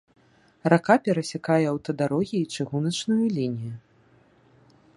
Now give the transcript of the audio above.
Рака перасякае аўтадарогі і чыгуначную лінію.